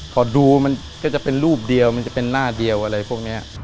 พอดูมันก็จะเป็นรูปเดียวมันจะเป็นหน้าเดียวอะไรพวกนี้